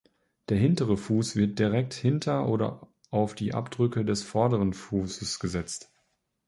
Der hintere Fuß wird direkt hinter oder auf die Abdrücke des vorderen Fußes gesetzt.